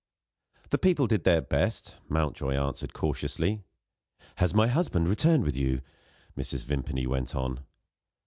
"The people did their best," Mountjoy answered cautiously. "Has my husband returned with you?" Mrs. Vimpany went on.